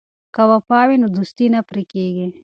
که وفا وي نو دوستي نه پرې کیږي.